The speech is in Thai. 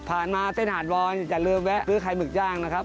มาเต้นหาดวอนอย่าลืมแวะซื้อไข่หมึกย่างนะครับ